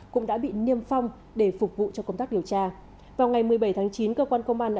cũng đã bị niêm phong để phục vụ cho công tác điều tra vào ngày một mươi bảy tháng chín cơ quan công an